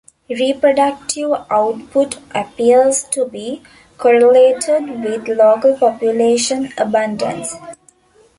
Reproductive output appears to be correlated with local population abundance.